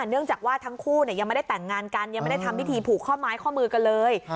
เนื่องจากว่าทั้งคู่ยังไม่ได้แต่งงานกันยังไม่ได้ทำพิธีผูกข้อไม้ข้อมือกันเลย